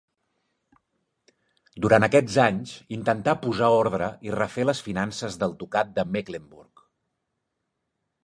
Durant aquests anys intentà posar ordre i refer les finances del ducat de Mecklenburg.